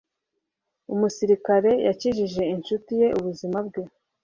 Umusirikare yakijije inshuti ye ubuzima bwe.